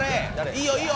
いいよいいよ！